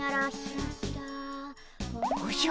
おじゃ？